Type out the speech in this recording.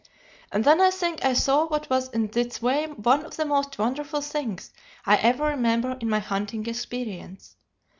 "And then I think I saw what was in its way one of the most wonderful things I ever remember in my hunting experience.